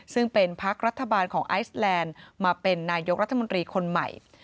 ซึ่งเป็นพักรัฐบาลของไอซแลนด์มาเป็นนายกรัฐมนตรีคนใหม่